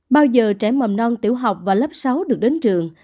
bao giờ trẻ mầm non tiểu học và lớp sáu được đến trường